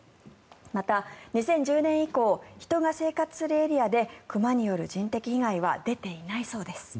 また、２０１０年以降人が生活するエリアで熊による人的被害は出ていないそうです。